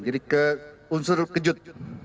jadi ke unsur kejut